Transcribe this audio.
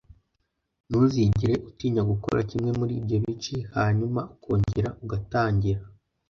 ntuzigere utinya gutora kimwe muri ibyo bice hanyuma ukongera ugatangira